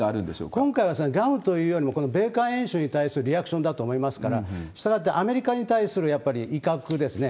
今回はグアムというよりも、米韓演習に対するリアクションだと思いますから、したがって、アメリカに対する、やっぱり威嚇ですね。